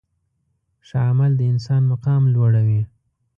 ښه عمل د انسان مقام لوړوي.